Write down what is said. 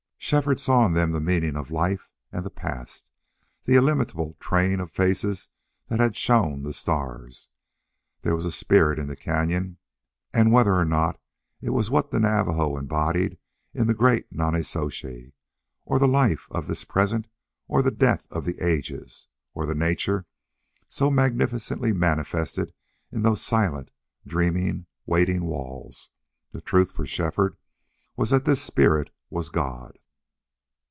Shefford saw in them the meaning of life and the past the illimitable train of faces that had shone the stars. There was a spirit in the cañon, and whether or not it was what the Navajo embodied in the great Nonnezoshe, or the life of this present, or the death of the ages, or the nature so magnificently manifested in those silent, dreaming waiting walls the truth for Shefford was that this spirit was God.